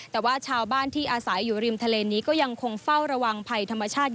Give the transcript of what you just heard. แต่ว่าชาวบ้านที่อาศัยอยู่ริมทะเลนี้ก็ยังคงเฝ้าระวังภัยธรรมชาติ